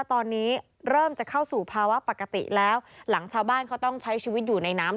ตอนนี้เริ่มจะเข้าสู่ภาวะปกติแล้วหลังชาวบ้านเขาต้องใช้ชีวิตอยู่ในน้ำ